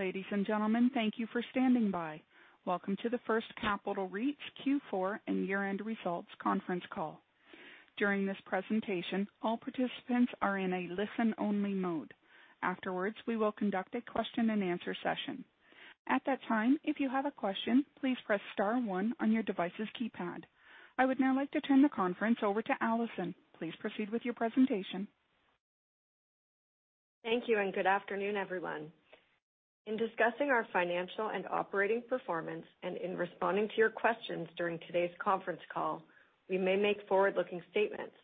Ladies and gentlemen, thank you for standing by. Welcome to the First Capital REIT's Q4 and year-end results conference call. During this presentation, all participants are in a listen-only mode. Afterwards, we will conduct a question and answer session. At that time, if you have a question, please press star one on your device's keypad. I would now like to turn the conference over to Alison. Please proceed with your presentation. Thank you, and good afternoon, everyone. In discussing our financial and operating performance, and in responding to your questions during today's conference call, we may make forward-looking statements.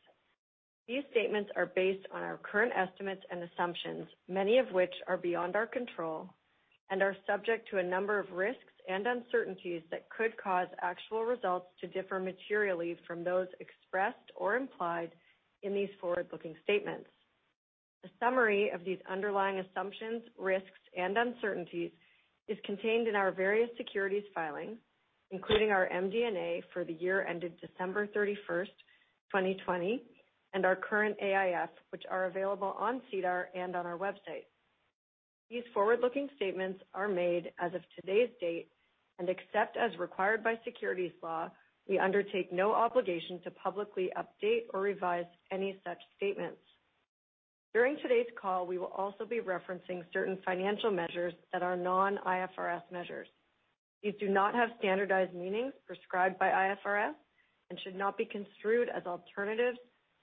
These statements are based on our current estimates and assumptions, many of which are beyond our control and are subject to a number of risks and uncertainties that could cause actual results to differ materially from those expressed or implied in these forward-looking statements. A summary of these underlying assumptions, risks, and uncertainties is contained in our various securities filings, including our MD&A for the year ended December 31st, 2020, and our current AIF, which are available on SEDAR and on our website. These forward-looking statements are made as of today's date, and except as required by securities law, we undertake no obligation to publicly update or revise any such statements. During today's call, we will also be referencing certain financial measures that are non-IFRS measures. These do not have standardized meanings prescribed by IFRS and should not be construed as alternatives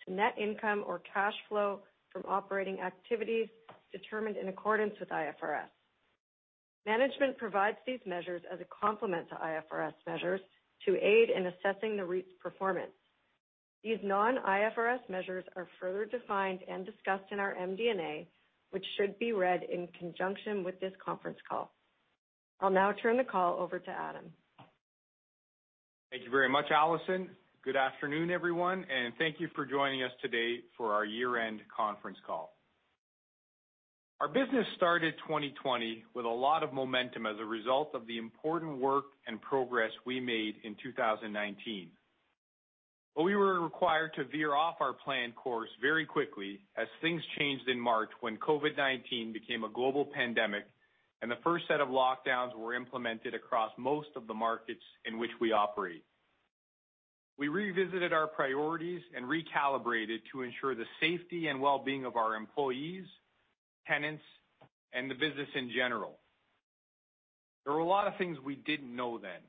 to net income or cash flow from operating activities determined in accordance with IFRS. Management provides these measures as a complement to IFRS measures to aid in assessing the REIT's performance. These non-IFRS measures are further defined and discussed in our MD&A, which should be read in conjunction with this conference call. I'll now turn the call over to Adam. Thank you very much, Alison. Good afternoon, everyone, and thank you for joining us today for our year-end conference call. Our business started 2020 with a lot of momentum as a result of the important work and progress we made in 2019. We were required to veer off our planned course very quickly as things changed in March when COVID-19 became a global pandemic and the first set of lockdowns were implemented across most of the markets in which we operate. We revisited our priorities and recalibrated to ensure the safety and well-being of our employees, tenants, and the business in general. There were a lot of things we didn't know then.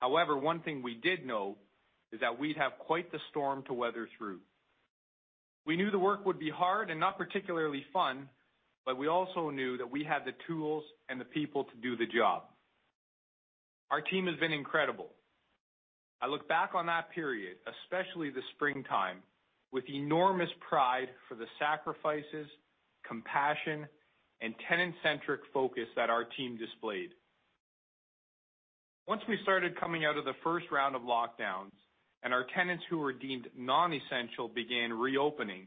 However, one thing we did know is that we'd have quite the storm to weather through. We knew the work would be hard and not particularly fun, but we also knew that we had the tools and the people to do the job. Our team has been incredible. I look back on that period, especially the springtime, with enormous pride for the sacrifices, compassion, and tenant-centric focus that our team displayed. Once we started coming out of the first round of lockdowns and our tenants who were deemed non-essential began reopening,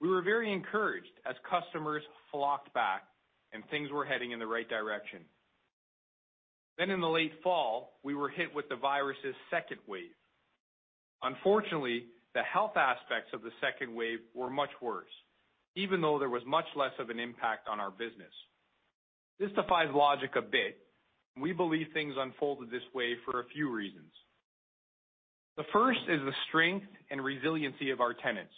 we were very encouraged as customers flocked back, and things were heading in the right direction. In the late fall, we were hit with the virus' second wave. Unfortunately, the health aspects of the second wave were much worse, even though there was much less of an impact on our business. This defies logic a bit. We believe things unfolded this way for a few reasons. The first is the strength and resiliency of our tenants.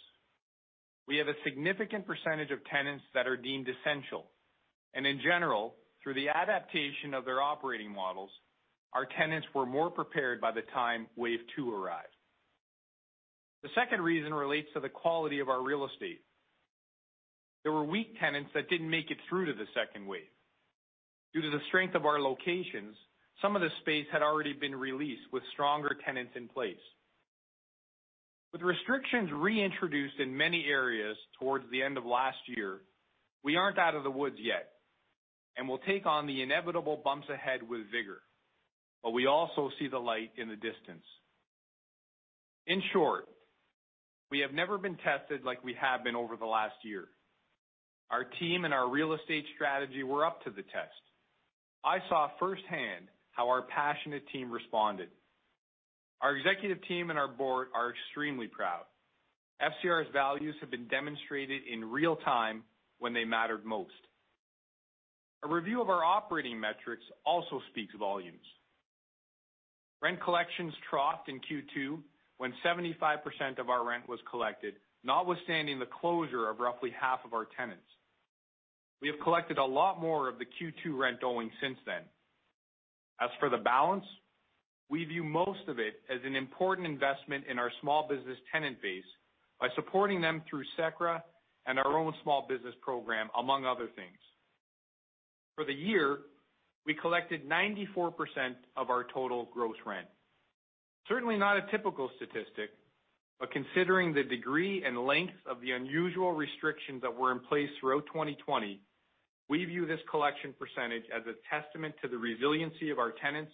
We have a significant percentage of tenants that are deemed essential. In general, through the adaptation of their operating models, our tenants were more prepared by the time wave two arrived. The second reason relates to the quality of our real estate. There were weak tenants that didn't make it through to the second wave. Due to the strength of our locations, some of the space had already been released with stronger tenants in place. With restrictions reintroduced in many areas towards the end of last year, we aren't out of the woods yet, and we'll take on the inevitable bumps ahead with vigor. We also see the light in the distance. In short, we have never been tested like we have been over the last year. Our team and our real estate strategy were up to the test. I saw firsthand how our passionate team responded. Our executive team and our board are extremely proud. FCR's values have been demonstrated in real time when they mattered most. A review of our operating metrics also speaks volumes. Rent collections troughed in Q2, when 75% of our rent was collected, notwithstanding the closure of roughly half of our tenants. We have collected a lot more of the Q2 rent owing since then. As for the balance, we view most of it as an important investment in our small business tenant base by supporting them through CECRA and our own small business program, among other things. For the year, we collected 94% of our total gross rent. Certainly not a typical statistic, but considering the degree and length of the unusual restrictions that were in place throughout 2020, we view this collection percentage as a testament to the resiliency of our tenants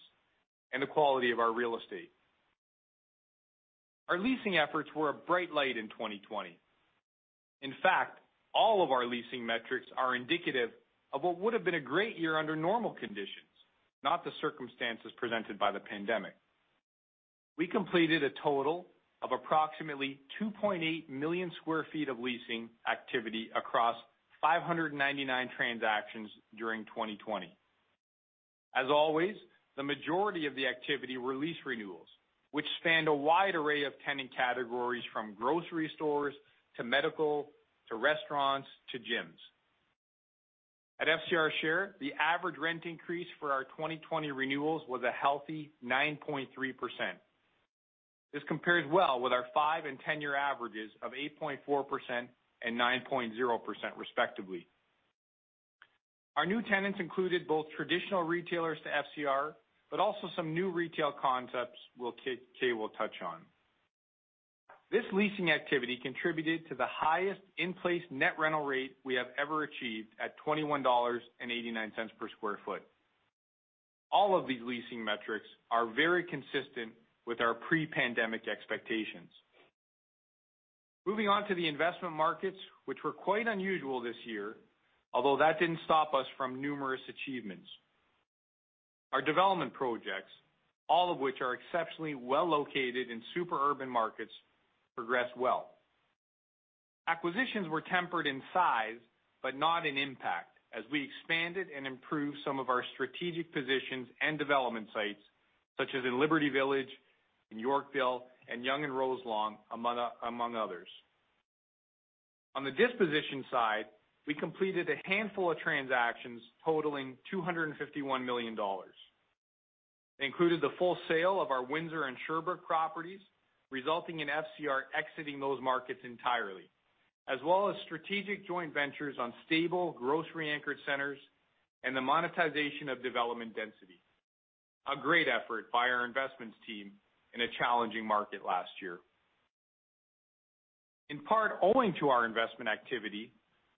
and the quality of our real estate. Our leasing efforts were a bright light in 2020. In fact, all of our leasing metrics are indicative of what would have been a great year under normal conditions, not the circumstances presented by the pandemic. We completed a total of approximately 2.8 million square feet of leasing activity across 599 transactions during 2020. As always, the majority of the activity were lease renewals, which spanned a wide array of tenant categories from grocery stores to medical, to restaurants, to gyms. At FCR centers, the average rent increase for our 2020 renewals was a healthy 9.3%. This compares well with our five and 10-year averages of 8.4% and 9.0%, respectively. Our new tenants included both traditional retailers to FCR, but also some new retail concepts Kay will touch on. This leasing activity contributed to the highest in-place net rental rate we have ever achieved at 21.89 dollars per square foot. All of these leasing metrics are very consistent with our pre-pandemic expectations. Moving on to the investment markets, which were quite unusual this year, although that didn't stop us from numerous achievements. Our development projects, all of which are exceptionally well located in super urban markets, progressed well. Acquisitions were tempered in size, but not in impact, as we expanded and improved some of our strategic positions and development sites, such as in Liberty Village, in Yorkville, and Yonge and Roselawn, among others. On the disposition side, we completed a handful of transactions totaling 251 million dollars. They included the full sale of our Windsor and Sherbrooke properties, resulting in FCR exiting those markets entirely, as well as strategic joint ventures on stable grocery-anchored centers, and the monetization of development density. A great effort by our investments team in a challenging market last year. In part, owing to our investment activity,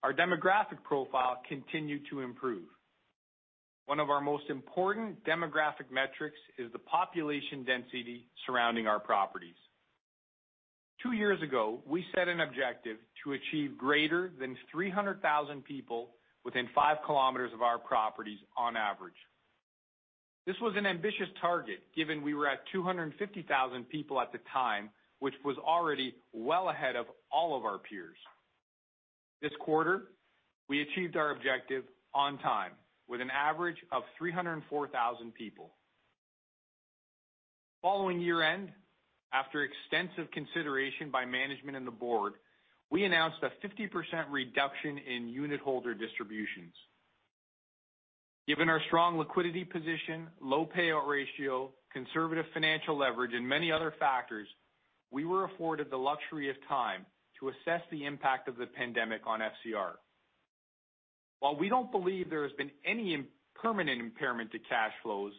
our demographic profile continued to improve. One of our most important demographic metrics is the population density surrounding our properties. Two years ago, we set an objective to achieve greater than 300,000 people within five kilometers of our properties on average. This was an ambitious target given we were at 250,000 people at the time, which was already well ahead of all of our peers. This quarter, we achieved our objective on time with an average of 304,000 people. Following year-end, after extensive consideration by management and the board, we announced a 50% reduction in unit holder distributions. Given our strong liquidity position, low payout ratio, conservative financial leverage, and many other factors, we were afforded the luxury of time to assess the impact of the pandemic on FCR. While we don't believe there has been any permanent impairment to cash flows,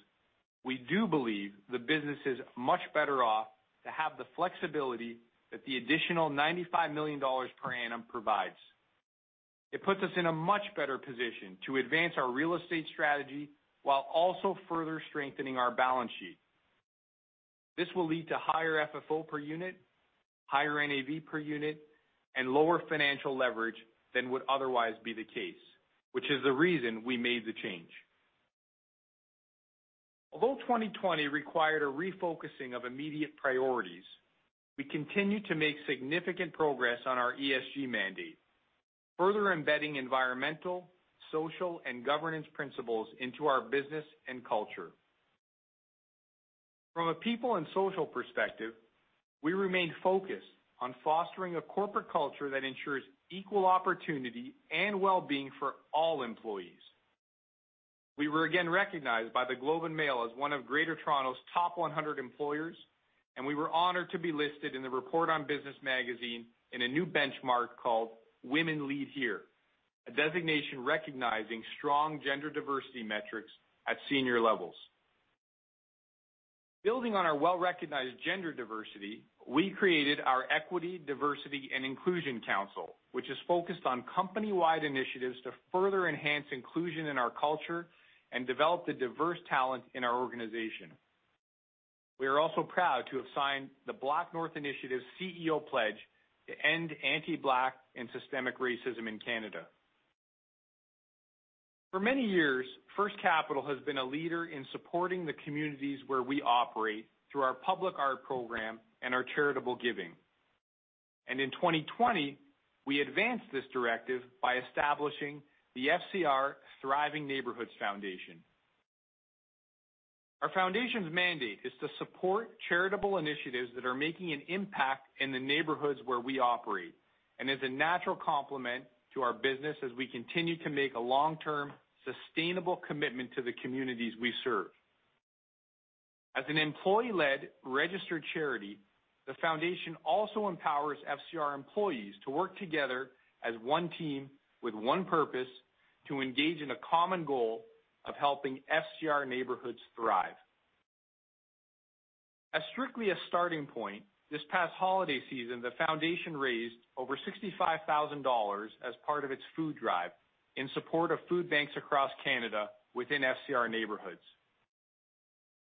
we do believe the business is much better off to have the flexibility that the additional 95 million dollars per annum provides. It puts us in a much better position to advance our real estate strategy while also further strengthening our balance sheet. This will lead to higher FFO per unit, higher NAV per unit, and lower financial leverage than would otherwise be the case, which is the reason we made the change. Although 2020 required a refocusing of immediate priorities, we continue to make significant progress on our ESG mandate, further embedding environmental, social, and governance principles into our business and culture. From a people and social perspective, we remain focused on fostering a corporate culture that ensures equal opportunity and well-being for all employees. We were again recognized by The Globe and Mail as one of Greater Toronto's top 100 employers, and we were honored to be listed in the Report on Business magazine in a new benchmark called Women Lead Here, a designation recognizing strong gender diversity metrics at senior levels. Building on our well-recognized gender diversity, we created our Equity, Diversity, and Inclusion Council, which is focused on company-wide initiatives to further enhance inclusion in our culture and develop the diverse talent in our organization. We are also proud to have signed the BlackNorth Initiative CEO pledge to end anti-Black and systemic racism in Canada. For many years, First Capital has been a leader in supporting the communities where we operate through our public art program and our charitable giving. In 2020, we advanced this directive by establishing the FCR Thriving Neighbourhoods Foundation. Our foundation's mandate is to support charitable initiatives that are making an impact in the neighborhoods where we operate and is a natural complement to our business as we continue to make a long-term, sustainable commitment to the communities we serve. As an employee-led registered charity, the foundation also empowers FCR employees to work together as one team with one purpose to engage in a common goal of helping FCR neighborhoods thrive. As strictly a starting point, this past holiday season, the foundation raised over 65,000 dollars as part of its food drive in support of food banks across Canada within FCR neighborhoods.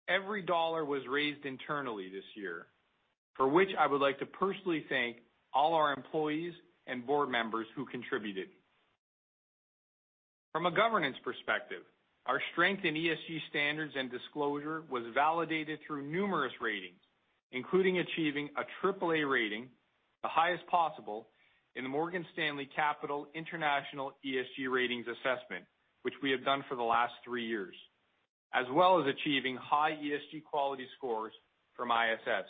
Every dollar was raised internally this year, for which I would like to personally thank all our employees and board members who contributed. From a governance perspective, our strength in ESG standards and disclosure was validated through numerous ratings, including achieving a AAA rating, the highest possible, in the Morgan Stanley Capital International ESG ratings assessment, which we have done for the last three years, as well as achieving high ESG quality scores from ISS.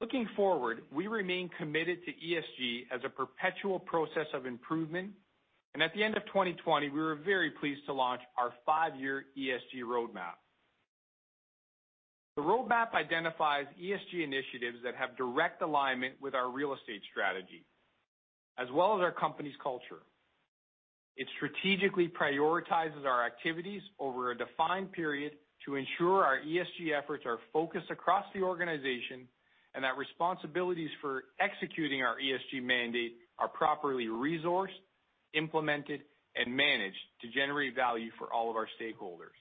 Looking forward, we remain committed to ESG as a perpetual process of improvement, and at the end of 2020, we were very pleased to launch our five-year ESG roadmap. The roadmap identifies ESG initiatives that have direct alignment with our real estate strategy, as well as our company's culture. It strategically prioritizes our activities over a defined period to ensure our ESG efforts are focused across the organization, and that responsibilities for executing our ESG mandate are properly resourced, implemented, and managed to generate value for all of our stakeholders.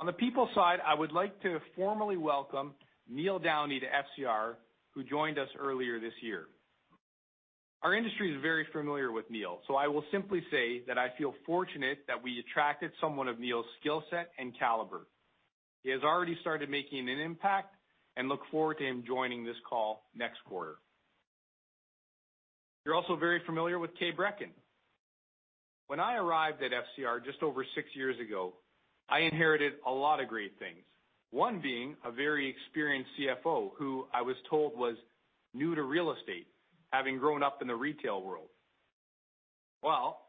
On the people side, I would like to formally welcome Neil Downey to FCR, who joined us earlier this year. Our industry is very familiar with Neil, so I will simply say that I feel fortunate that we attracted someone of Neil's skill set and caliber. He has already started making an impact. Look forward to him joining this call next quarter. You're also very familiar with Kay Brekken. When I arrived at FCR just over six years ago, I inherited a lot of great things, one being a very experienced CFO, who I was told was new to real estate, having grown up in the retail world. Well,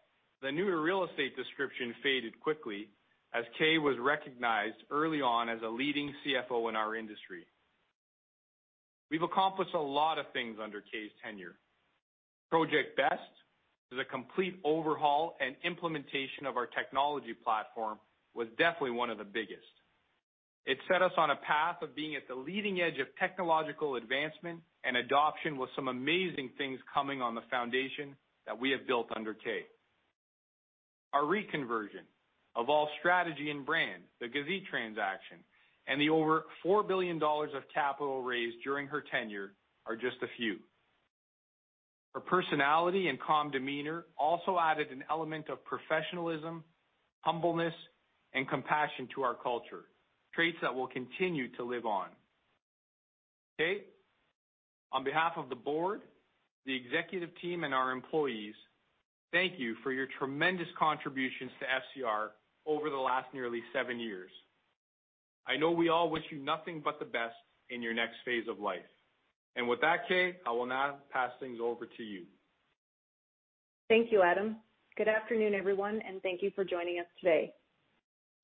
the new to real estate description faded quickly as Kay was recognized early on as a leading CFO in our industry. We've accomplished a lot of things under Kay's tenure. Project Best is a complete overhaul and implementation of our technology platform, was definitely one of the biggest. It set us on a path of being at the leading edge of technological advancement and adoption, with some amazing things coming on the foundation that we have built under Kay. Our reconversion of all strategy and brand, the Gazit transaction, and the over 4 billion dollars of capital raised during her tenure are just a few. Her personality and calm demeanor also added an element of professionalism, humbleness, and compassion to our culture, traits that will continue to live on. Kay, on behalf of the board, the executive team, and our employees, thank you for your tremendous contributions to FCR over the last nearly seven years. I know we all wish you nothing but the best in your next phase of life. With that, Kay, I will now pass things over to you. Thank you, Adam. Good afternoon, everyone, and thank you for joining us today.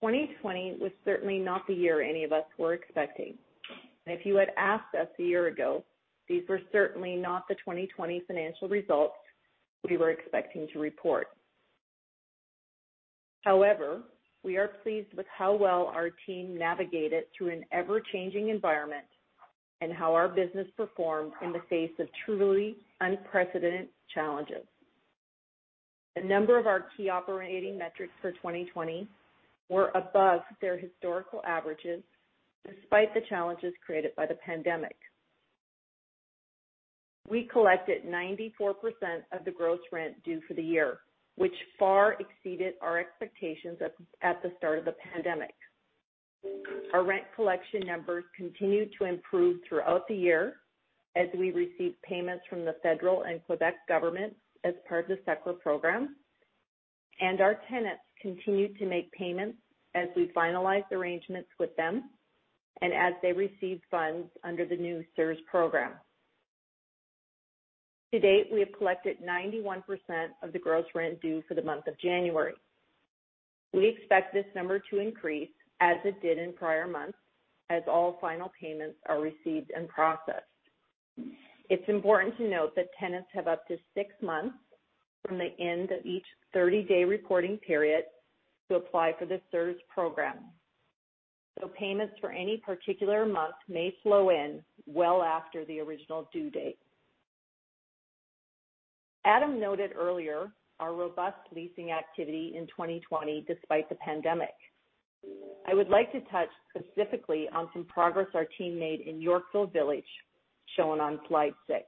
2020 was certainly not the year any of us were expecting. If you had asked us a year ago, these were certainly not the 2020 financial results we were expecting to report. However, we are pleased with how well our team navigated through an ever-changing environment and how our business performed in the face of truly unprecedented challenges. A number of our key operating metrics for 2020 were above their historical averages, despite the challenges created by the pandemic. We collected 94% of the gross rent due for the year, which far exceeded our expectations at the start of the pandemic. Our rent collection numbers continued to improve throughout the year as we received payments from the federal and Quebec government as part of the CECRA program. Our tenants continued to make payments as we finalized arrangements with them and as they received funds under the new CERS program. To date, we have collected 91% of the gross rent due for the month of January. We expect this number to increase as it did in prior months, as all final payments are received and processed. It's important to note that tenants have up to six months from the end of each 30-day reporting period to apply for the CERS program. Payments for any particular month may flow in well after the original due date. Adam noted earlier our robust leasing activity in 2020 despite the pandemic. I would like to touch specifically on some progress our team made in Yorkville Village, shown on slide six.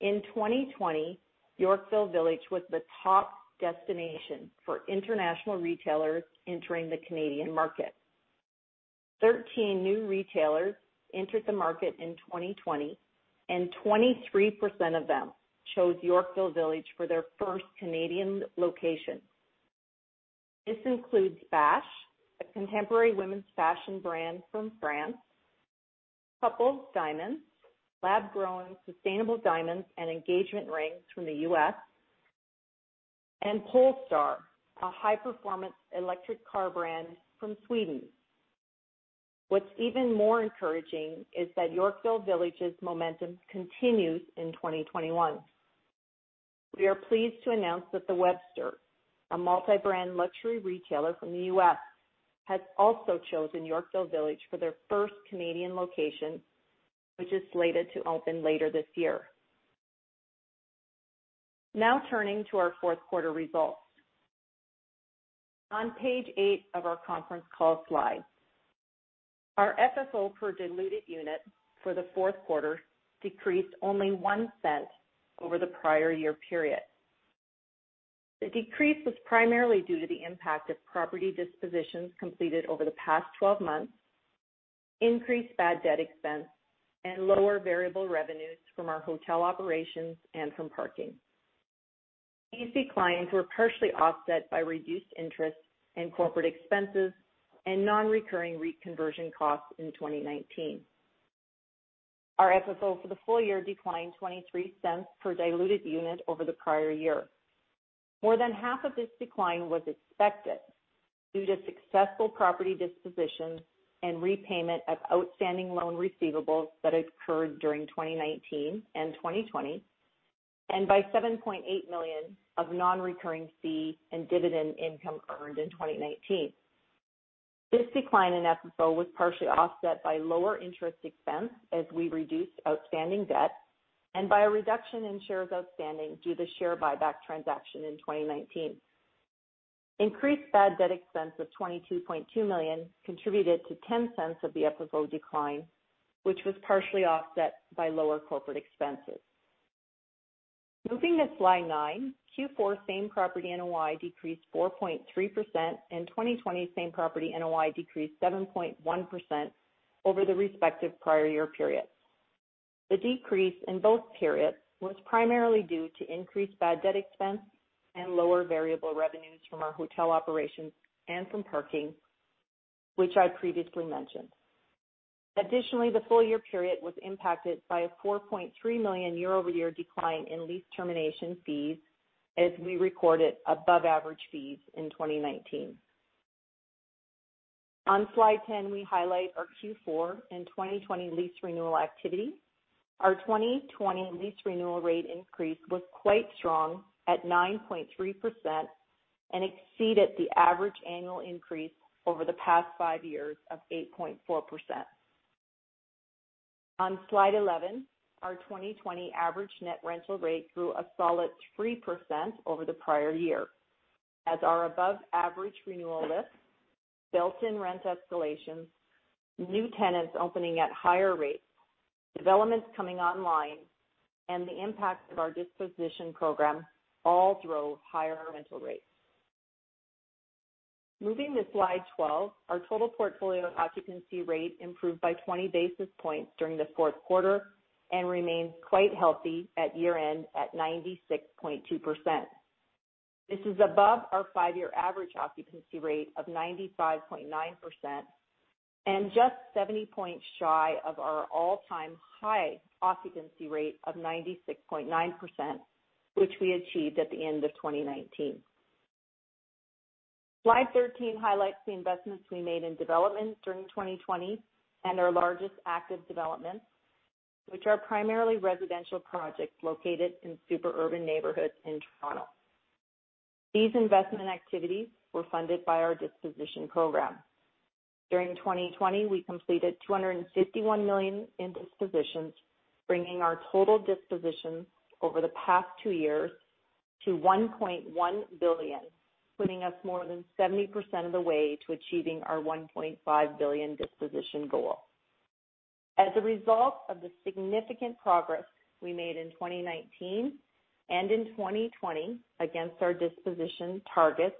In 2020, Yorkville Village was the top destination for international retailers entering the Canadian market. 13 new retailers entered the market in 2020, and 23% of them chose Yorkville Village for their first Canadian location. This includes ba&sh, a contemporary women's fashion brand from France; Couple, lab-grown sustainable diamonds and engagement rings from the U.S., and Polestar, a high-performance electric car brand from Sweden. What's even more encouraging is that Yorkville Village's momentum continues in 2021. We are pleased to announce that The Webster, a multi-brand luxury retailer from the U.S., has also chosen Yorkville Village for their first Canadian location, which is slated to open later this year. Turning to our fourth quarter results. On page eight of our conference call slide. Our FFO per diluted unit for the fourth quarter decreased only 0.01 over the prior year period. The decrease was primarily due to the impact of property dispositions completed over the past 12 months, increased bad debt expense, and lower variable revenues from our hotel operations and from parking. These declines were partially offset by reduced interest and corporate expenses and non-recurring REIT conversion costs in 2019. Our FFO for the full year declined 0.23 per diluted unit over the prior year. More than half of this decline was expected due to successful property dispositions and repayment of outstanding loan receivables that occurred during 2019 and 2020, and by 7.8 million of non-recurring fee and dividend income earned in 2019. This decline in FFO was partially offset by lower interest expense as we reduced outstanding debt and by a reduction in shares outstanding due to share buyback transaction in 2019. Increased bad debt expense of 22.2 million contributed to 0.10 of the FFO decline, which was partially offset by lower corporate expenses. Moving to slide nine, Q4 same property NOI decreased 4.3% and 2020 same property NOI decreased 7.1% over the respective prior year period. The decrease in both periods was primarily due to increased bad debt expense and lower variable revenues from our hotel operations and from parking, which I previously mentioned. Additionally, the full year period was impacted by a 4.3 million year-over-year decline in lease termination fees as we recorded above average fees in 2019. On slide 10, we highlight our Q4 and 2020 lease renewal activity. Our 2020 lease renewal rate increase was quite strong at 9.3% and exceeded the average annual increase over the past five years of 8.4%. On slide 11, our 2020 average net rental rate grew a solid 3% over the prior year as our above average renewal lifts, built-in rent escalations, new tenants opening at higher rates, developments coming online, and the impact of our disposition program all drove higher rental rates. Moving to slide 12, our total portfolio occupancy rate improved by 20 basis points during the fourth quarter and remains quite healthy at year-end at 96.2%. This is above our five-year average occupancy rate of 95.9% and just 70 points shy of our all-time high occupancy rate of 96.9%, which we achieved at the end of 2019. Slide 13 highlights the investments we made in development during 2020 and our largest active developments, which are primarily residential projects located in super urban neighborhoods in Toronto. These investment activities were funded by our disposition program. During 2020, we completed 251 million in dispositions, bringing our total dispositions over the past two years to 1.1 billion, putting us more than 70% of the way to achieving our 1.5 billion disposition goal. As a result of the significant progress we made in 2019 and in 2020 against our disposition targets,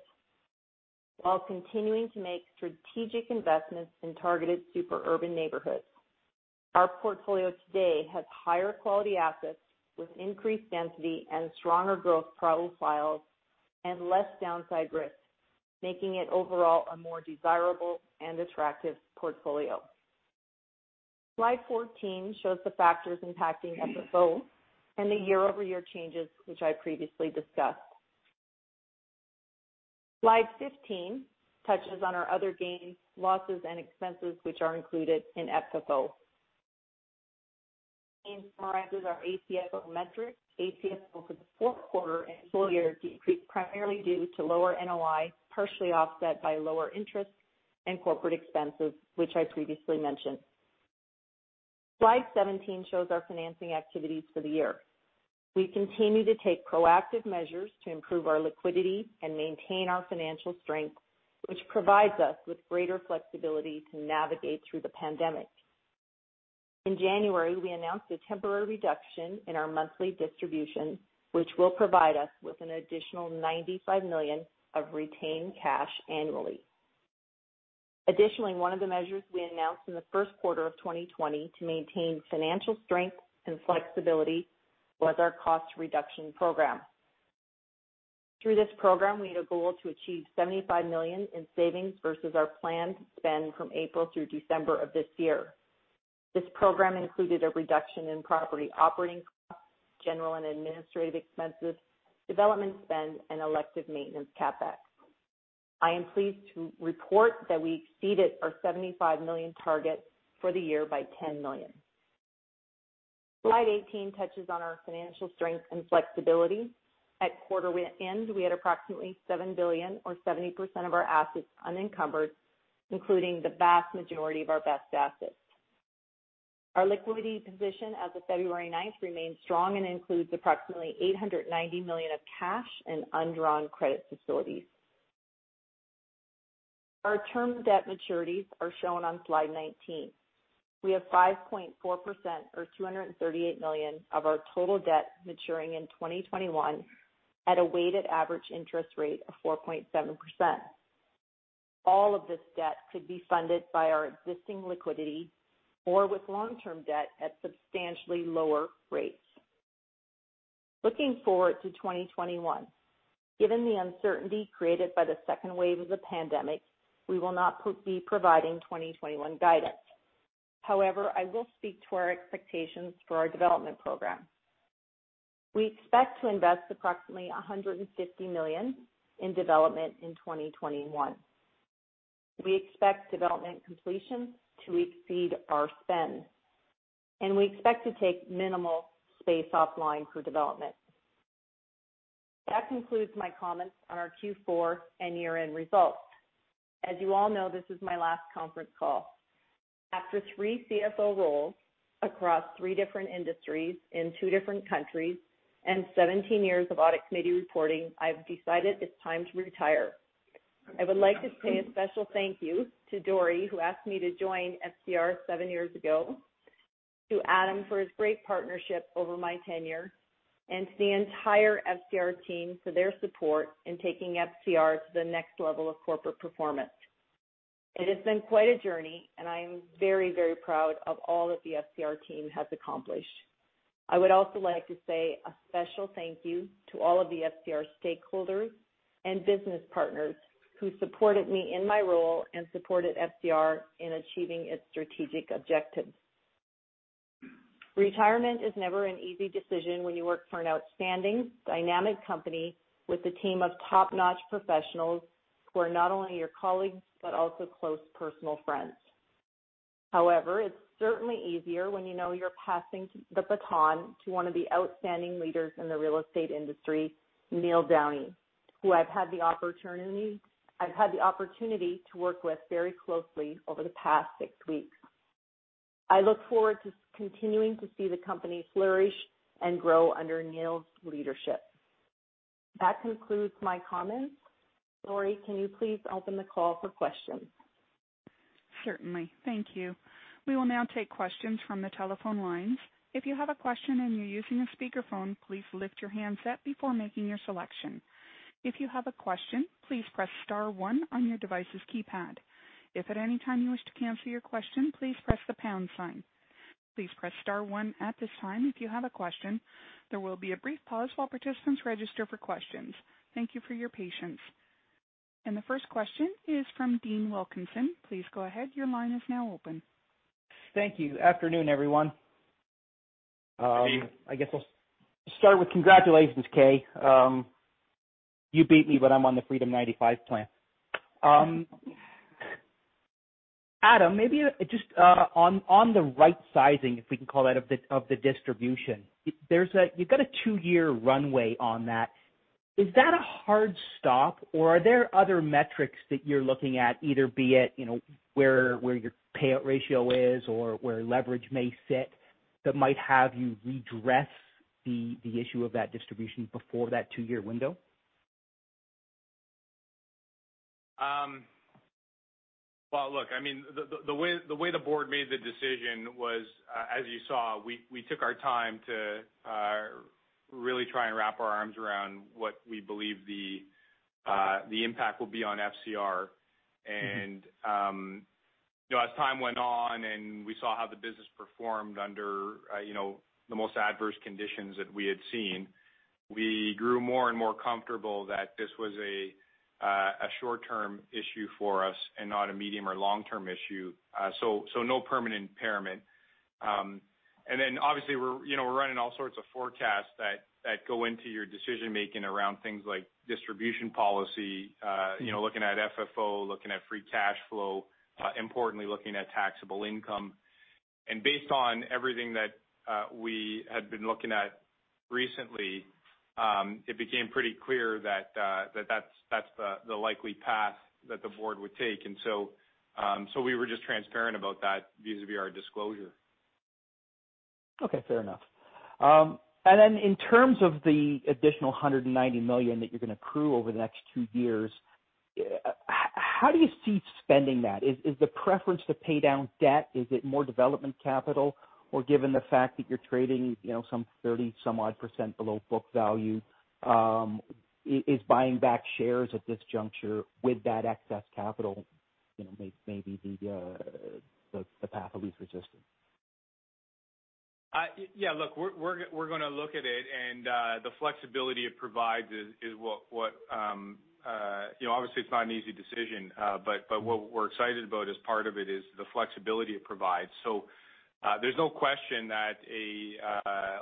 while continuing to make strategic investments in targeted super urban neighborhoods, our portfolio today has higher quality assets with increased density and stronger growth profiles and less downside risk, making it overall a more desirable and attractive portfolio. Slide 14 shows the factors impacting FFO and the year-over-year changes, which I previously discussed. Slide 15 touches on our other gains, losses, and expenses, which are included in FFO. In parentheses are ACFO metrics. ACFO for the fourth quarter and full year decreased primarily due to lower NOI, partially offset by lower interest and corporate expenses, which I previously mentioned. Slide 17 shows our financing activities for the year. We continue to take proactive measures to improve our liquidity and maintain our financial strength, which provides us with greater flexibility to navigate through the pandemic. In January, we announced a temporary reduction in our monthly distribution, which will provide us with an additional 95 million of retained cash annually. Additionally, one of the measures we announced in the first quarter of 2020 to maintain financial strength and flexibility was our Cost Reduction Program. Through this program, we had a goal to achieve 75 million in savings versus our planned spend from April through December of this year. This program included a reduction in property operating costs, general and administrative expenses, development spend, and elective maintenance CapEx. I am pleased to report that we exceeded our 75 million target for the year by 10 million. Slide 18 touches on our financial strength and flexibility. At quarter end, we had approximately 7 billion or 70% of our assets unencumbered, including the vast majority of our best assets. Our liquidity position as of February 9th remains strong and includes approximately 890 million of cash and undrawn credit facilities. Our term debt maturities are shown on slide 19. We have 5.4% or 238 million of our total debt maturing in 2021 at a weighted average interest rate of 4.7%. All of this debt could be funded by our existing liquidity or with long-term debt at substantially lower rates. Looking forward to 2021, given the uncertainty created by the second wave of the pandemic, we will not be providing 2021 guidance. However, I will speak to our expectations for our development program. We expect to invest approximately 150 million in development in 2021. We expect development completion to exceed our spend, and we expect to take minimal space offline for development. That concludes my comments on our Q4 and year-end results. As you all know, this is my last conference call. After three CFO roles across three different industries in two different countries and 17 years of audit committee reporting, I've decided it's time to retire. I would like to say a special thank you to Dori, who asked me to join FCR seven years ago, to Adam for his great partnership over my tenure, and to the entire FCR team for their support in taking FCR to the next level of corporate performance. It has been quite a journey, and I am very proud of all that the FCR team has accomplished. I would also like to say a special thank you to all of the FCR stakeholders and business partners who supported me in my role and supported FCR in achieving its strategic objectives. Retirement is never an easy decision when you work for an outstanding, dynamic company with a team of top-notch professionals who are not only your colleagues, but also close personal friends. However, it's certainly easier when you know you're passing the baton to one of the outstanding leaders in the real estate industry, Neil Downey, who I've had the opportunity to work with very closely over the past six weeks. I look forward to continuing to see the company flourish and grow under Neil's leadership. That concludes my comments. Lori, can you please open the call for questions? Certainly. Thank you. We will now take questions from the telephone lines. If you have a question and you are using a speaker phone come up please lift your handset before making your selection. If you have a question please press star one on your devices keypad, If at any time you wish to cancel your question, please press the pound sign. Please press star one at this time if you have a question. There will be a brief pause while participating register for question. Thank you your patience. The first question is from Dean Wilkinson. Please go ahead. Your line is now open. Thank you. Afternoon, everyone. Afternoon. I guess I'll start with congratulations, Kay. You beat me, but I'm on the Freedom 95 plan. Adam, maybe just on the right sizing, if we can call it that, of the distribution. You've got a two-year runway on that. Is that a hard stop, or are there other metrics that you're looking at, either be it where your payout ratio is or where leverage may sit, that might have you redress the issue of that distribution before that two year window? Look, the way the board made the decision was, as you saw, we took our time to really try and wrap our arms around what we believe the impact will be on FCR. As time went on and we saw how the business performed under the most adverse conditions that we had seen, we grew more and more comfortable that this was a short-term issue for us and not a medium or long-term issue. No permanent impairment. Obviously, we're running all sorts of forecasts that go into your decision-making around things like distribution policy, looking at FFO, looking at free cash flow, importantly, looking at taxable income. Based on everything that we had been looking at recently, it became pretty clear that that's the likely path that the board would take. We were just transparent about that vis-a-vis our disclosure. Okay, fair enough. In terms of the additional 190 million that you're going to accrue over the next two years, how do you see spending that? Is the preference to pay down debt? Is it more development capital? Given the fact that you're trading some 30-some odd percent below book value, is buying back shares at this juncture with that excess capital maybe the path of least resistance? Yeah. Look, we're going to look at it, the flexibility it provides is obviously it's not an easy decision. What we're excited about as part of it is the flexibility it provides. There's no question that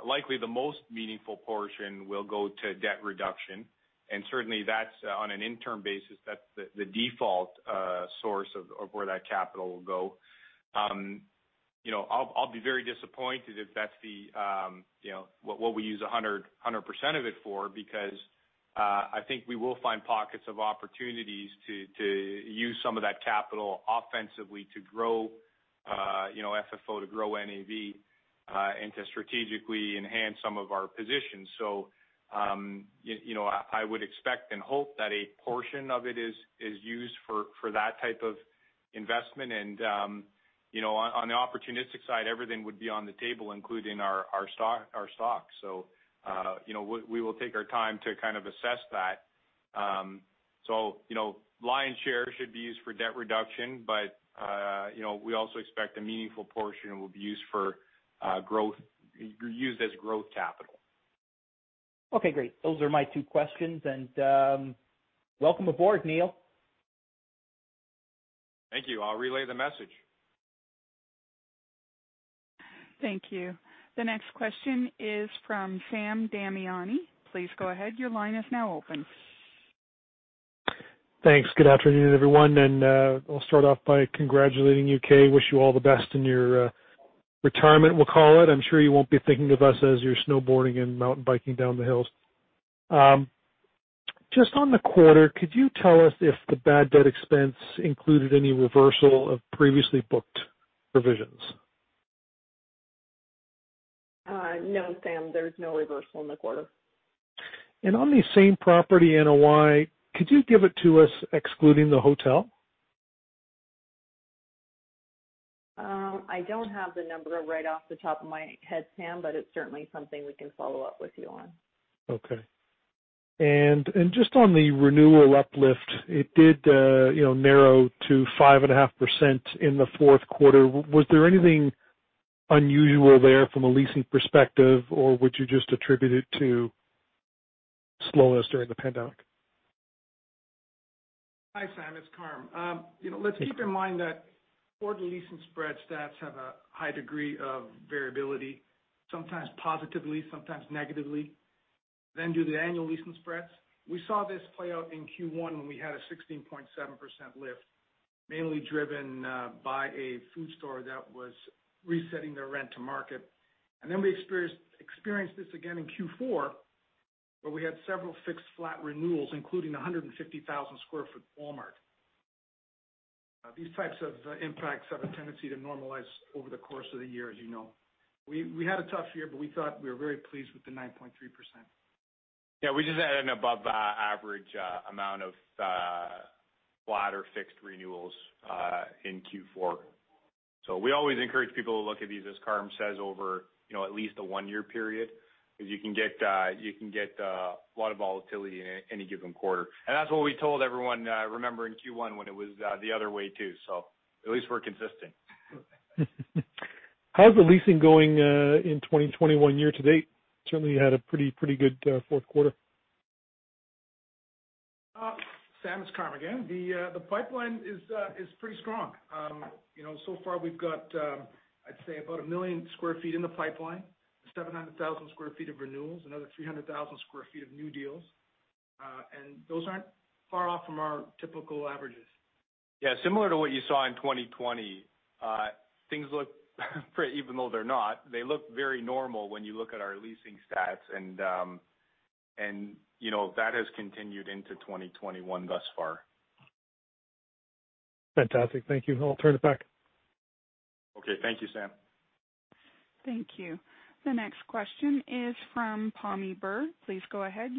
likely the most meaningful portion will go to debt reduction, certainly that's on an interim basis. That's the default source of where that capital will go. I'll be very disappointed if that's what we use 100% of it for, because I think we will find pockets of opportunities to use some of that capital offensively to grow FFO, to grow NAV, to strategically enhance some of our positions. I would expect and hope that a portion of it is used for that type of investment. On the opportunistic side, everything would be on the table, including our stock. We will take our time to kind of assess that. Lion's share should be used for debt reduction, but we also expect a meaningful portion will be used as growth capital. Okay, great. Those are my two questions, and welcome aboard, Neil. Thank you. I'll relay the message. Thank you. The next question is from Sam Damiani. Please go ahead. Your line is now open. Thanks. Good afternoon, everyone. I'll start off by congratulating you, Kay. Wish you all the best in your retirement, we'll call it. I'm sure you won't be thinking of us as you're snowboarding and mountain biking down the hills. Just on the quarter, could you tell us if the bad debt expense included any reversal of previously booked provisions? No, Sam, there's no reversal in the quarter. On the same property in NOI, could you give it to us excluding the hotel? I don't have the number right off the top of my head, Sam, but it's certainly something we can follow up with you on. Okay. Just on the renewal uplift, it did narrow to 5.5% in the fourth quarter. Was there anything unusual there from a leasing perspective, or would you just attribute it to slowness during the pandemic? Hi, Sam. It's Carm. Let's keep in mind that quarter leasing spread stats have a high degree of variability, sometimes positively, sometimes negatively, than do the annual leasing spreads. We saw this play out in Q1 when we had a 16.7% lift, mainly driven by a food store that was resetting their rent to market. We experienced this again in Q4, where we had several fixed flat renewals, including 150,000 square foot Walmart. These types of impacts have a tendency to normalize over the course of the year, as you know. We had a tough year, we thought we were very pleased with the 9.3%. Yeah, we just had an above average amount of flat or fixed renewals in Q4. We always encourage people to look at these, as Carm says, over at least a one-year period, because you can get a lot of volatility in any given quarter. That's what we told everyone, remember, in Q1 when it was the other way too. At least we're consistent. How's the leasing going in 2021 year to date? Certainly had a pretty good fourth quarter. Sam, it's Carm again. The pipeline is pretty strong. Far we've got, I'd say about 1 million sq ft in the pipeline, 700,000 sq ft of renewals, another 300,000 sq ft of new deals. Those aren't far off from our typical averages. Yeah, similar to what you saw in 2020, things look even though they're not, they look very normal when you look at our leasing stats. That has continued into 2021 thus far. Fantastic. Thank you. I'll turn it back. Okay. Thank you, Sam. Thank you. The next question is from Pammi Bir. Please go ahead.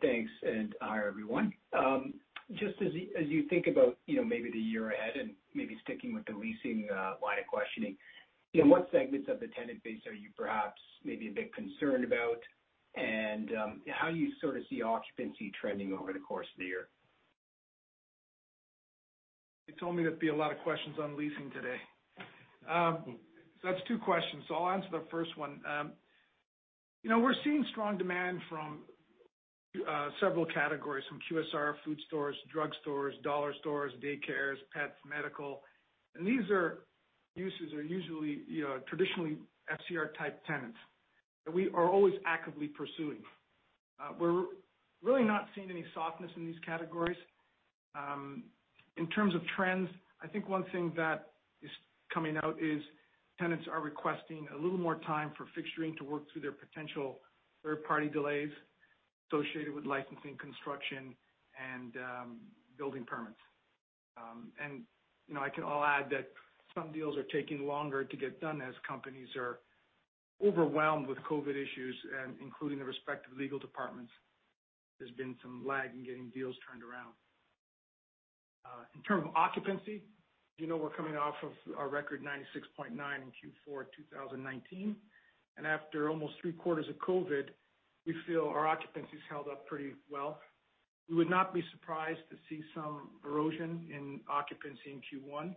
Thanks, hi, everyone. Just as you think about maybe the year ahead and maybe sticking with the leasing line of questioning, what segments of the tenant base are you perhaps maybe a bit concerned about, and how do you sort of see occupancy trending over the course of the year? They told me there'd be a lot of questions on leasing today. That's two questions. I'll answer the first one. We're seeing strong demand from several categories, from QSR, food stores, drug stores, dollar stores, daycares, pets, medical. These uses are usually traditionally FCR type tenants that we are always actively pursuing. We're really not seeing any softness in these categories. In terms of trends, I think one thing that is coming out is tenants are requesting a little more time for fixturing to work through their potential third-party delays associated with licensing, construction, and building permits. I'll add that some deals are taking longer to get done as companies are overwhelmed with COVID issues and including the respective legal departments. There's been some lag in getting deals turned around. In terms of occupancy, you know we're coming off of our record 96.9 in Q4 2019, and after almost three quarters of COVID, we feel our occupancy's held up pretty well. We would not be surprised to see some erosion in occupancy in Q1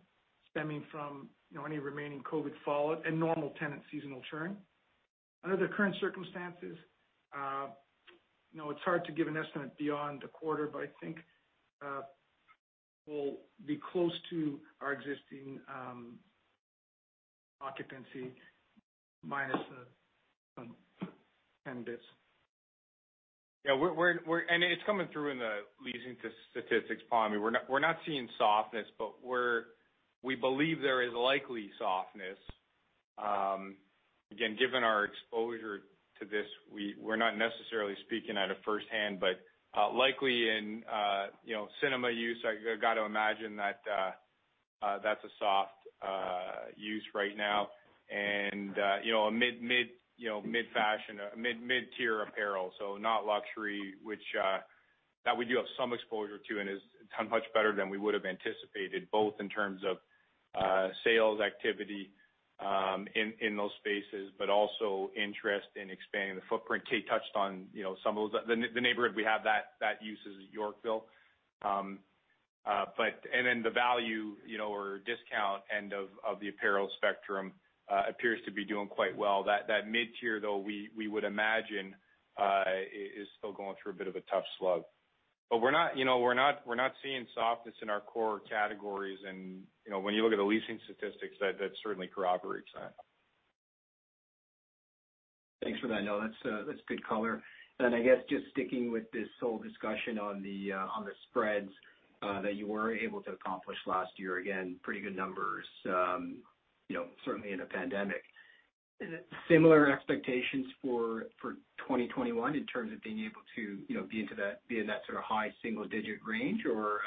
stemming from any remaining COVID fallout and normal tenant seasonal churn. Under the current circumstances, it's hard to give an estimate beyond the quarter, but I think we'll be close to our existing occupancy minus some 10 basis points. Yeah. It's coming through in the leasing statistics, Pam. We're not seeing softness, but we believe there is likely softness. Again, given our exposure to this, we're not necessarily speaking out of firsthand, but likely in cinema use, I got to imagine that's a soft use right now. Mid-fashion, mid-tier apparel, so not luxury, which that we do have some exposure to, and is much better than we would've anticipated, both in terms of sales activity in those spaces, but also interest in expanding the footprint. Kay touched on some of those. The neighborhood we have that use is Yorkville. Then the value or discount end of the apparel spectrum appears to be doing quite well. That mid-tier, though, we would imagine is still going through a bit of a tough slug. We're not seeing softness in our core categories. When you look at the leasing statistics, that certainly corroborates that. Thanks for that. No, that's good color. I guess, just sticking with this whole discussion on the spreads that you were able to accomplish last year. Again, pretty good numbers, certainly in a pandemic. Similar expectations for 2021 in terms of being able to be in that sort of high single-digit range, or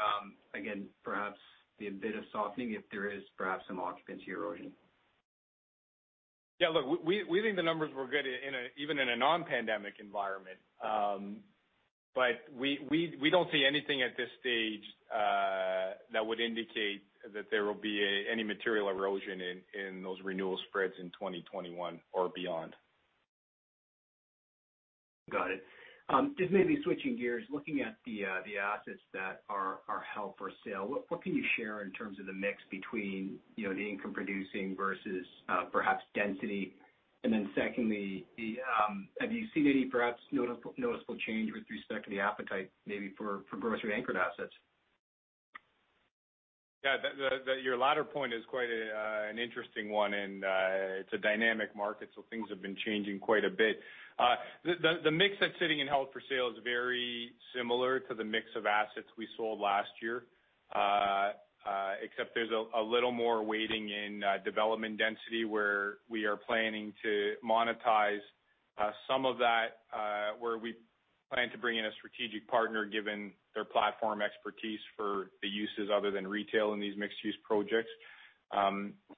again, perhaps see a bit of softening if there is perhaps some occupancy erosion? Yeah. Look, we think the numbers were good even in a non-pandemic environment. We don't see anything at this stage that would indicate that there will be any material erosion in those renewal spreads in 2021 or beyond. Got it. Just maybe switching gears, looking at the assets that are held for sale, what can you share in terms of the mix between the income-producing versus perhaps density? Secondly, have you seen any perhaps noticeable change with respect to the appetite, maybe for grocery-anchored assets? Your latter point is quite an interesting one, and it's a dynamic market, so things have been changing quite a bit. The mix that's sitting in held for sale is very similar to the mix of assets we sold last year, except there's a little more weighting in development density where we are planning to monetize some of that where we plan to bring in a strategic partner, given their platform expertise for the uses other than retail in these mixed-use projects.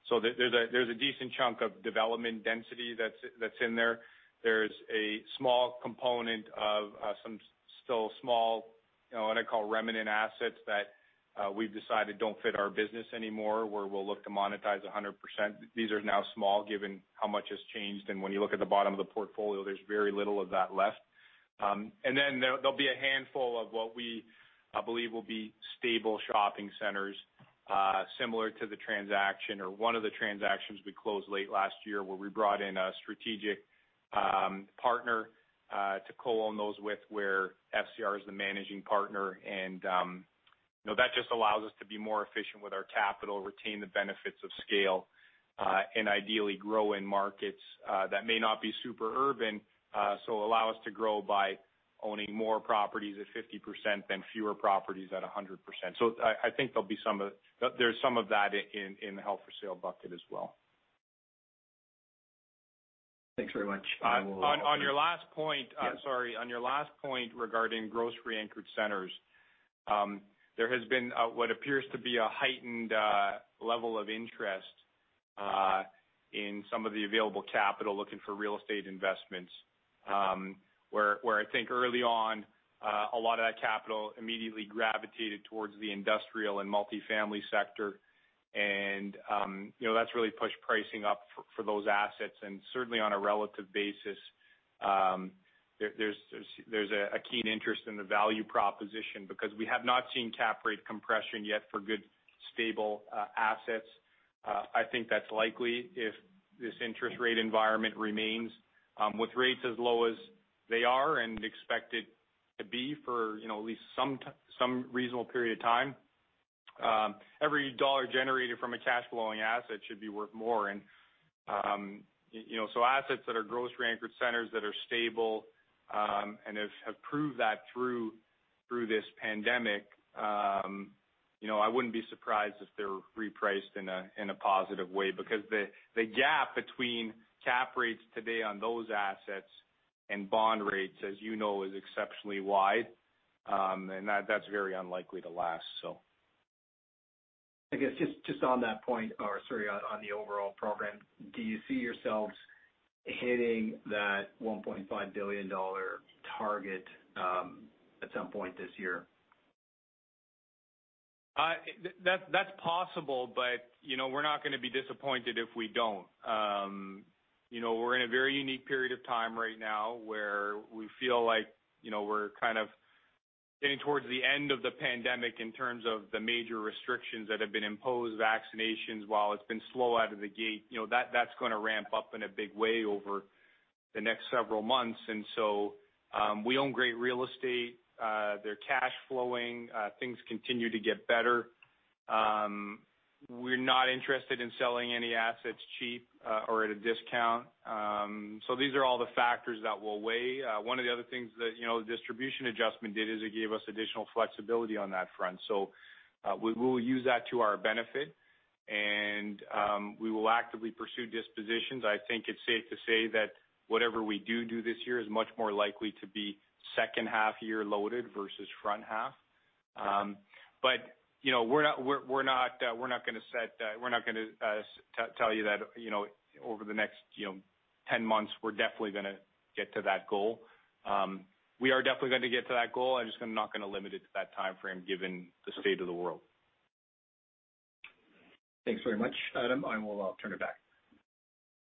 There's a decent chunk of development density that's in there. There's a small component of some still small, what I call remanent assets that we've decided don't fit our business anymore, where we'll look to monetize 100%. These are now small, given how much has changed, and when you look at the bottom of the portfolio, there's very little of that left. Then there'll be a handful of what we believe will be stable shopping centers, similar to the transaction, or one of the transactions we closed late last year, where we brought in a strategic partner to co-own those with where FCR is the managing partner. That just allows us to be more efficient with our capital, retain the benefits of scale, and ideally grow in markets that may not be super urban. Allow us to grow by owning more properties at 50% than fewer properties at 100%. I think there's some of that in the held for sale bucket as well. Thanks very much. On your last point-. Yeah. I'm sorry. On your last point regarding grocery-anchored centers, there has been what appears to be a heightened level of interest in some of the available capital looking for real estate investments. I think early on, a lot of that capital immediately gravitated towards the industrial and multifamily sector, and that's really pushed pricing up for those assets. Certainly on a relative basis, there's a keen interest in the value proposition because we have not seen cap rate compression yet for good, stable assets. I think that's likely if this interest rate environment remains. With rates as low as they are, and expected to be for at least some reasonable period of time, every dollar generated from a cash-flowing asset should be worth more. Assets that are grocery-anchored centers that are stable, and have proved that through this pandemic, I wouldn't be surprised if they're repriced in a positive way because the gap between cap rates today on those assets and bond rates, as you know, is exceptionally wide, and that's very unlikely to last. I guess, just on that point, or sorry, on the overall program, do you see yourselves hitting that 1.5 billion dollar target at some point this year? That's possible, but we're not going to be disappointed if we don't. We're in a very unique period of time right now where we feel like we're kind of getting towards the end of the pandemic in terms of the major restrictions that have been imposed. Vaccinations, while it's been slow out of the gate, that's going to ramp up in a big way over the next several months. We own great real estate. They're cash flowing. Things continue to get better. We're not interested in selling any assets cheap or at a discount. These are all the factors that we'll weigh. One of the other things that the distribution adjustment did is it gave us additional flexibility on that front. We will use that to our benefit, and we will actively pursue dispositions. I think it's safe to say that whatever we do this year is much more likely to be second half year loaded versus front half. We're not going to tell you that over the next 10 months, we're definitely going to get to that goal. We are definitely going to get to that goal. I'm just not going to limit it to that timeframe given the state of the world. Thanks very much, Adam. I will turn it back.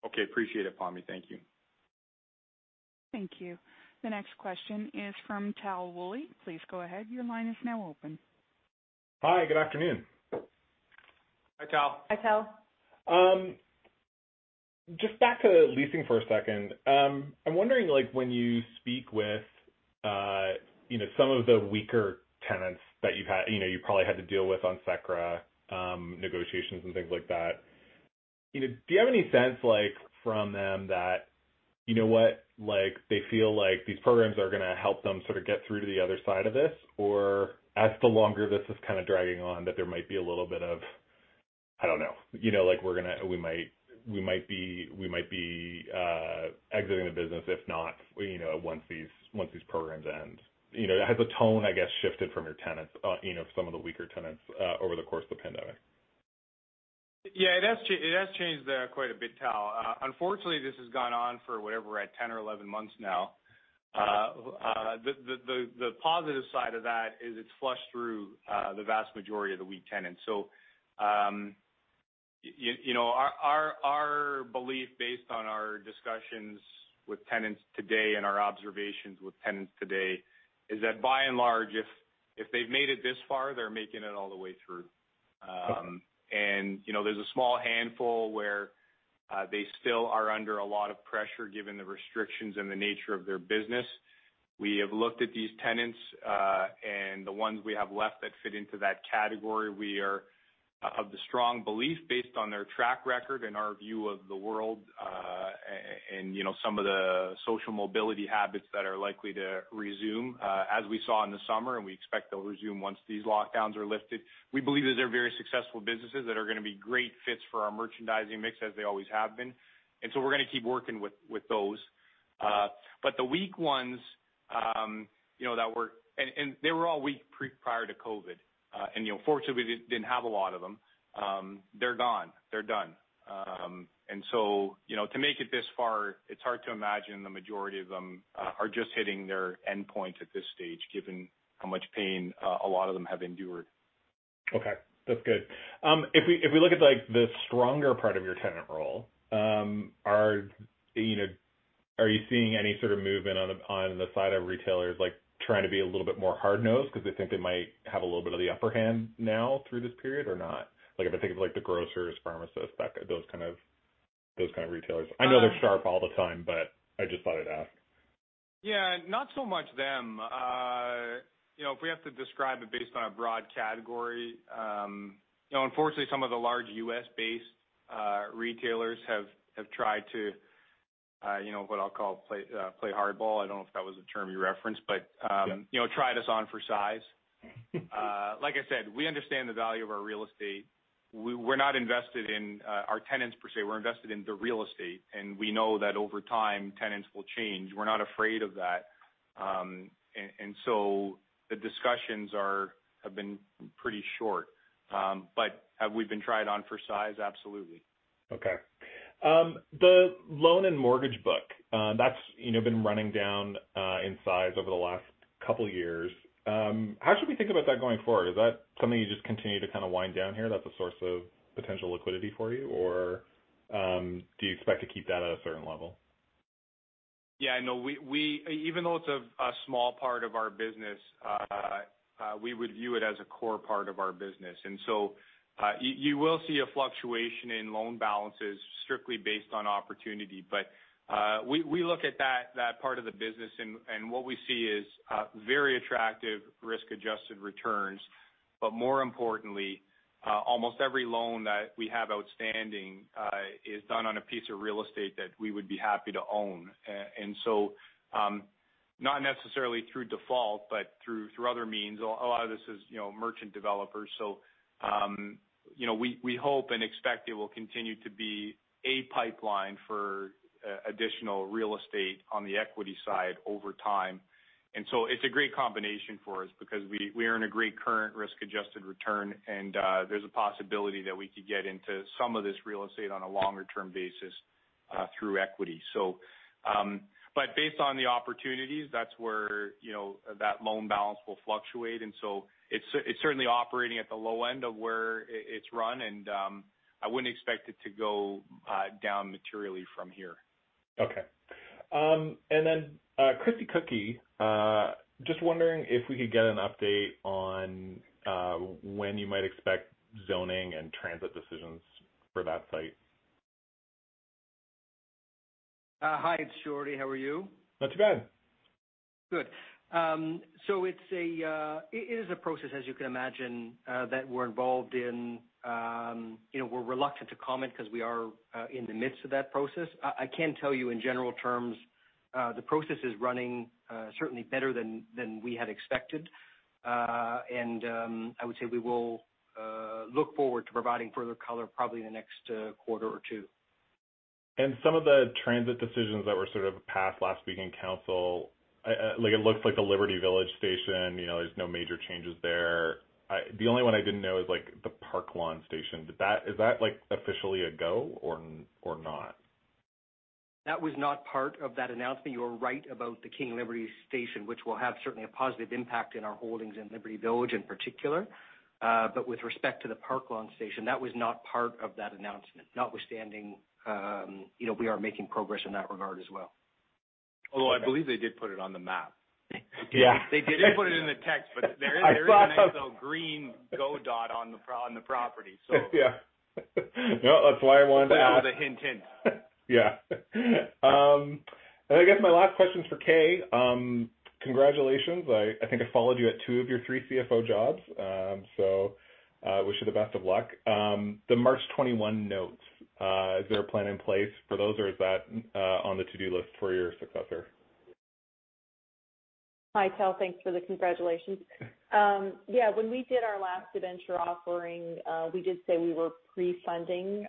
Okay. Appreciate it, Pammi. Thank you. Thank you. The next question is from Tal Woolley. Please go ahead. Hi, good afternoon. Hi, Tal. Hi, Tal. Just back to leasing for a second. I'm wondering when you speak with some of the weaker tenants that you probably had to deal with on CECRA negotiations and things like that, do you have any sense from them that they feel like these programs are going to help them sort of get through to the other side of this? Or as the longer this is kind of dragging on, that there might be a little bit of, I don't know, we might be exiting the business if not once these programs end. Has the tone, I guess, shifted from some of the weaker tenants over the course of the pandemic? Yeah, it has changed quite a bit, Tal. Unfortunately, this has gone on for, whatever, we're at 10 or 11 months now. The positive side of that is it's flushed through the vast majority of the weak tenants. Our belief based on our discussions with tenants today and our observations with tenants today is that by and large if they've made it this far, they're making it all the way through. Okay. There's a small handful where they still are under a lot of pressure given the restrictions and the nature of their business. We have looked at these tenants, and the ones we have left that fit into that category, we are of the strong belief based on their track record and our view of the world, and some of the social mobility habits that are likely to resume as we saw in the summer, and we expect they'll resume once these lockdowns are lifted. We believe that they're very successful businesses that are going to be great fits for our merchandising mix as they always have been. We're going to keep working with those. The weak ones, and they were all weak prior to COVID. Fortunately, we didn't have a lot of them. They're gone. They're done. To make it this far, it's hard to imagine the majority of them are just hitting their endpoint at this stage given how much pain a lot of them have endured. Okay. That's good. If we look at the stronger part of your tenant roll, are you seeing any sort of movement on the side of retailers trying to be a little bit more hard-nosed because they think they might have a little bit of the upper hand now through this period, or not? If I think of the grocers, pharmacists, those kind of retailers. I know they're sharp all the time, I just thought I'd ask. Yeah. Not so much them. If we have to describe it based on a broad category, unfortunately, some of the large U.S.-based retailers have tried to what I'll call play hardball. I don't know if that was the term you referenced. Yeah. Tried us on for size. Like I said, we understand the value of our real estate. We're not invested in our tenants per se. We're invested in the real estate, and we know that over time, tenants will change. We're not afraid of that. The discussions have been pretty short. Have we been tried on for size? Absolutely. Okay. The loan and mortgage book, that's been running down in size over the last couple of years. How should we think about that going forward? Is that something you just continue to kind of wind down here that's a source of potential liquidity for you? Or do you expect to keep that at a certain level? Yeah, I know. Even though it's a small part of our business, we would view it as a core part of our business. You will see a fluctuation in loan balances strictly based on opportunity. We look at that part of the business, and what we see is very attractive risk-adjusted returns. More importantly, almost every loan that we have outstanding is done on a piece of real estate that we would be happy to own. Not necessarily through default, but through other means. A lot of this is merchant developers. We hope and expect it will continue to be a pipeline for additional real estate on the equity side over time. It's a great combination for us because we earn a great current risk-adjusted return, and there's a possibility that we could get into some of this real estate on a longer-term basis through equity. Based on the opportunities, that's where that loan balance will fluctuate. It's certainly operating at the low end of where it's run, and I wouldn't expect it to go down materially from here. Okay. Christie Cookie, just wondering if we could get an update on when you might expect zoning and transit decisions for that site. Hi, it's Jodi. How are you? Not too bad. Good. It is a process, as you can imagine, that we're involved in. We're reluctant to comment because we are in the midst of that process. I can tell you in general terms, the process is running certainly better than we had expected. I would say we will look forward to providing further color probably in the next quarter or two. Some of the transit decisions that were sort of passed last week in council. It looks like the Liberty Village station, there's no major changes there. The only one I didn't know is the Park Lawn station. Is that officially a go or not? That was not part of that announcement. You are right about the King Liberty station, which will have certainly a positive impact in our holdings in Liberty Village in particular. With respect to the Park Lawn station, that was not part of that announcement. Notwithstanding, we are making progress in that regard as well. Although I believe they did put it on the map. Yeah. They didn't put it in the text. I thought so. There is now a green GO dot on the property. Yeah. No, that's why I wanted to ask. That was a hint. Yeah. I guess my last question's for Kay. Congratulations. I think I followed you at two of your three CFO jobs. Wish you the best of luck. The March 21 notes, is there a plan in place for those, or is that on the to-do list for your successor? Hi, Tal. Thanks for the congratulations. Yeah, when we did our last debenture offering, we did say we were pre-funding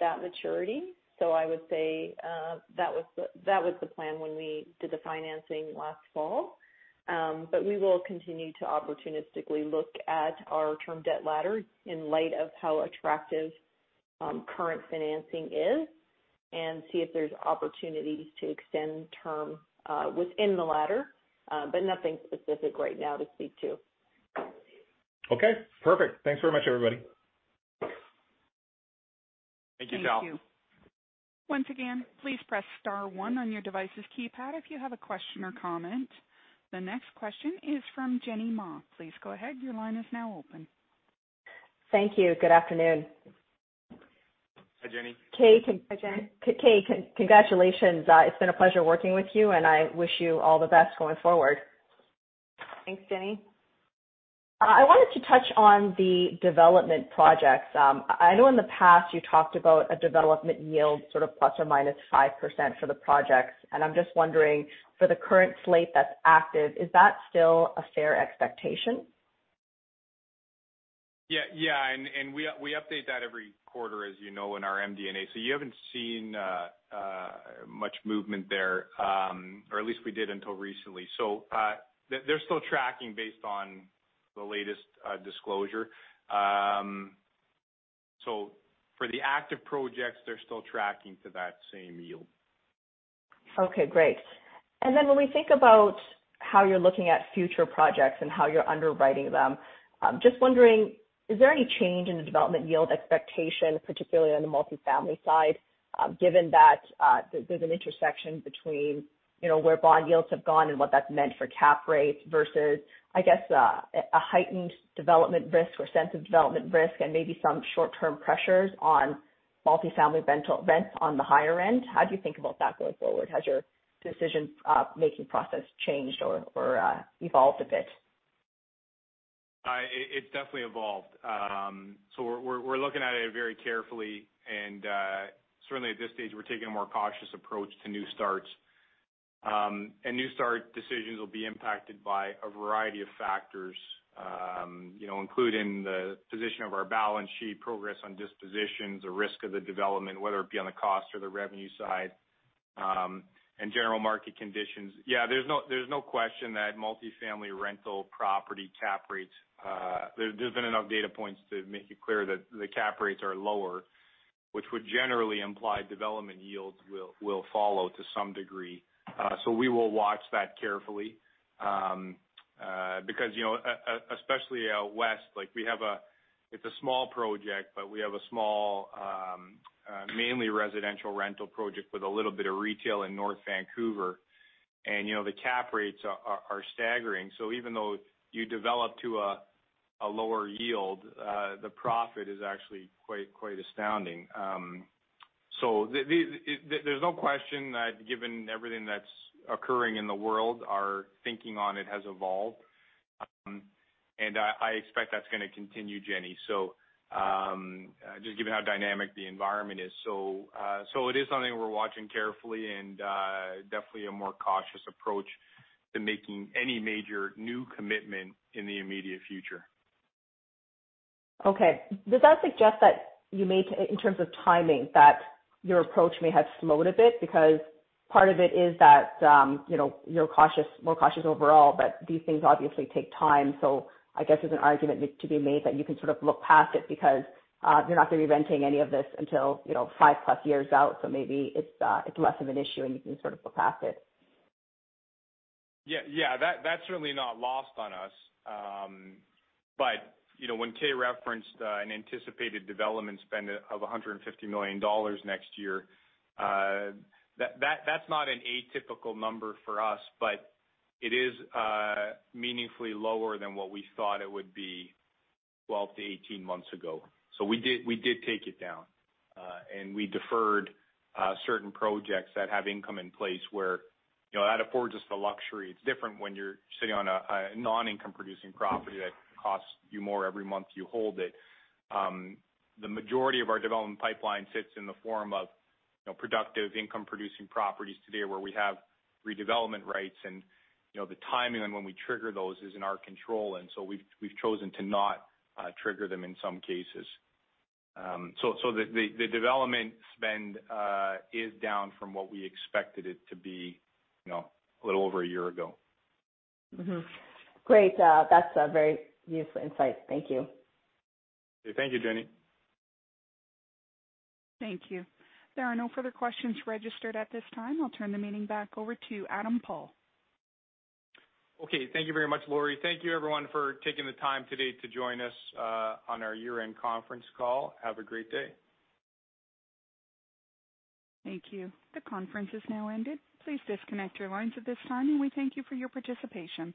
that maturity. I would say that was the plan when we did the financing last fall. We will continue to opportunistically look at our term debt ladder in light of how attractive current financing is and see if there's opportunities to extend term within the ladder. Nothing specific right now to speak to. Okay, perfect. Thanks very much, everybody. Thank you, Tal. Thank you. Once again, please press star one on your device's keypad if you have a question or comment. The next question is from Jenny Ma. Please go ahead, your line is now open. Thank you. Good afternoon. Hi, Jenny. Hi, Jen. Kay, congratulations. It's been a pleasure working with you, and I wish you all the best going forward. Thanks, Jenny. I wanted to touch on the development projects. I know in the past you talked about a development yield sort of ±5% for the projects. I'm just wondering, for the current slate that's active, is that still a fair expectation? Yeah. We update that every quarter, as you know, in our MD&A. You haven't seen much movement there, or at least we did until recently. They're still tracking based on the latest disclosure. For the active projects, they're still tracking to that same yield. Okay, great. When we think about how you're looking at future projects and how you're underwriting them, just wondering, is there any change in the development yield expectation, particularly on the multifamily side, given that there's an intersection between where bond yields have gone and what that's meant for cap rates versus, I guess, a heightened development risk or sense of development risk and maybe some short-term pressures on multifamily rents on the higher end. How do you think about that going forward? Has your decision-making process changed or evolved a bit? It definitely evolved. We're looking at it very carefully and, certainly at this stage, we're taking a more cautious approach to new starts. New start decisions will be impacted by a variety of factors, including the position of our balance sheet, progress on dispositions, the risk of the development, whether it be on the cost or the revenue side, and general market conditions. There's no question that multifamily rental property cap rates. There's been enough data points to make it clear that the cap rates are lower, which would generally imply development yields will follow to some degree. We will watch that carefully. Because especially out West, it's a small project, but we have a small, mainly residential rental project with a little bit of retail in North Vancouver. The cap rates are staggering. Even though you develop to a lower yield, the profit is actually quite astounding. There's no question that given everything that's occurring in the world, our thinking on it has evolved. I expect that's going to continue, Jenny. Just given how dynamic the environment is. It is something we're watching carefully and definitely a more cautious approach to making any major new commitment in the immediate future. Okay. Does that suggest that you may, in terms of timing, that your approach may have slowed a bit because part of it is that you're more cautious overall, but these things obviously take time. I guess there's an argument to be made that you can sort of look past it because you're not going to be renting any of this until five-plus years out. Maybe it's less of an issue, and you can sort of look past it. Yeah. That's certainly not lost on us. When Kay referenced an anticipated development spend of 150 million dollars next year, that's not an atypical number for us, but it is meaningfully lower than what we thought it would be 12-18 months ago. We did take it down. We deferred certain projects that have income in place where that affords us the luxury. It's different when you're sitting on a non-income producing property that costs you more every month you hold it. The majority of our development pipeline sits in the form of productive income-producing properties today where we have redevelopment rights, and the timing on when we trigger those is in our control. We've chosen to not trigger them in some cases. The development spend is down from what we expected it to be a little over one year ago. Great. That's a very useful insight. Thank you. Thank you, Jenny. Thank you. There are no further questions registered at this time. I'll turn the meeting back over to Adam Paul. Okay. Thank you very much, Lori. Thank you, everyone, for taking the time today to join us on our year-end conference call. Have a great day. Thank you. The conference is now ended. Please disconnect your lines at this time. We thank you for your participation.